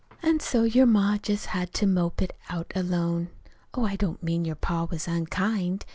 "An' so your ma just had to mope it out alone. Oh, I don't mean your pa was unkind.